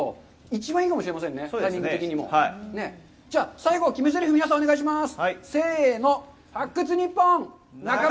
最後、決めぜりふ、皆さん、お願いします。